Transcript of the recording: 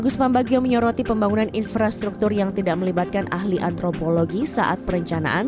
gus pambagio menyoroti pembangunan infrastruktur yang tidak melibatkan ahli antropologi saat perencanaan